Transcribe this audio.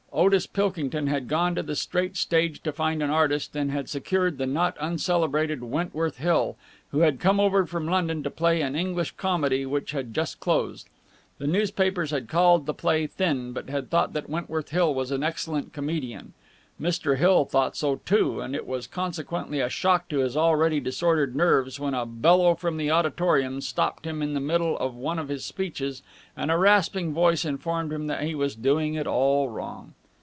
Otis Pilkington had gone to the straight stage to find an artist, and had secured the not uncelebrated Wentworth Hill, who had come over from London to play in an English comedy which had just closed. The newspapers had called the play thin, but had thought that Wentworth Hill was an excellent comedian. Mr. Hill thought so, too, and it was consequently a shock to his already disordered nerves when a bellow from the auditorium stopped him in the middle of one of his speeches and a rasping voice informed him that he was doing it all wrong.